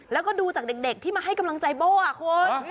แล้วก็ดูจากเด็กที่มาให้กำลังใจโบ้คุณ